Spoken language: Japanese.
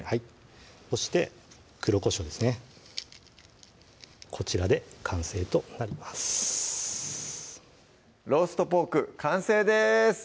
そして黒こしょうですねこちらで完成となります「ローストポーク」完成です